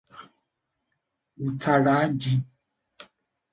ụtara ji